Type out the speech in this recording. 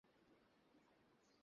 হয়তো দু দিন বা তিন দিন লাগল।